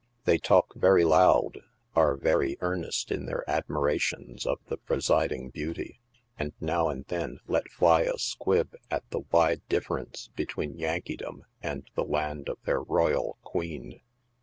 They talk very loud, are very earnest in their admirations of the presiding beauty, and now and then let fly a squib at the wide dif ference between Yankeedom and the land of their royal Queen.